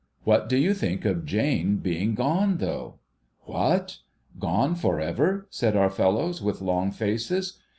What do you think of Jane being gone, though !' What ? Gone for ever?' said our fellows, with long faces.